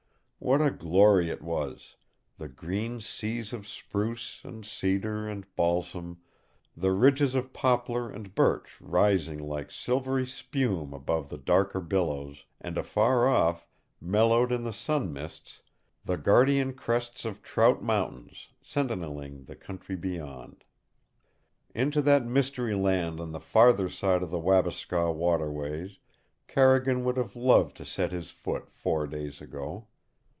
What a glory it was the green seas of spruce and cedar and balsam, the ridges of poplar and birch rising like silvery spume above the darker billows, and afar off, mellowed in the sun mists, the guardian crests of Trout Mountains sentineling the country beyond! Into that mystery land on the farther side of the Wabiskaw waterways Carrigan would have loved to set his foot four days ago.